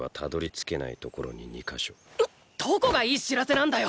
どこがいい知らせなんだよ！